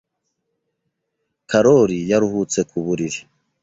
Karoli yaruhutse ku buriri.